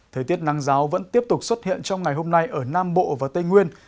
thời tiết nắng giáo vẫn tiếp tục xuất hiện trong ngày hôm nay ở nam bộ và tây nguyên